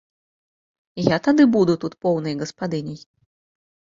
Я тады буду тут поўнай гаспадыняй?